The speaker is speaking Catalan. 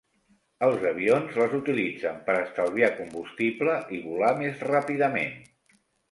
Els avions les utilitzen per estalviar combustible i volar més ràpidament.